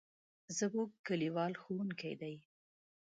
زموږ کلیوال ښوونکی دی.